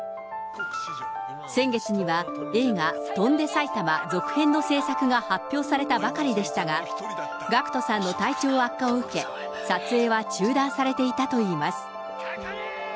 先月には映画、翔んで埼玉続編の製作が発表されたばかりでしたが、ＧＡＣＫＴさんの体調悪化を受け、撮影は中断されていたといいます。